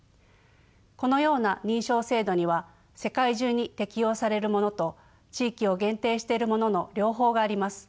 このような認証制度には世界中に適用されるものと地域を限定しているものの両方があります。